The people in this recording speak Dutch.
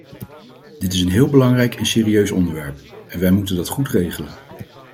Dit is een heel belangrijk en serieus onderwerp, en wij moeten dat goed regelen.